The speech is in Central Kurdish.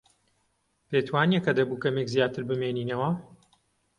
پێت وانییە کە دەبوو کەمێک زیاتر بمێنینەوە؟